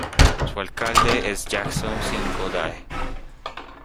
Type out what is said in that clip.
Su alcalde es Jackson Cinco Dy.